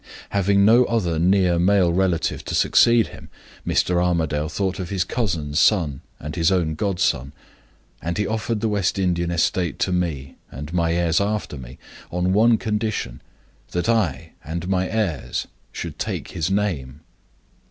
Having no other near male relative to succeed him, Mr. Armadale thought of his cousin's son and his own godson; and he offered the West Indian estate to me, and my heirs after me, on one condition that I and my heirs should take his name.